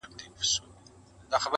کورنۍ پټ عمل کوي د شرم